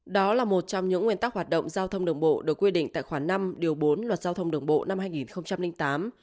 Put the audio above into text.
đó là một trong những nguyên tắc hoạt động giao thông đường bộ được quy định tại khoản năm điều bốn luật giao thông đường bộ năm hai nghìn tám